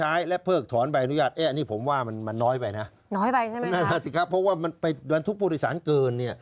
น้อยไปนะน้อยไปใช่ไหมครับนั่นแหละสิครับเพราะว่ามันไปบรรทุกผู้โดยสารเกินเนี่ย